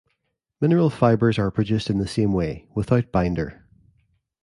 Mineral fibers are produced in the same way, without binder.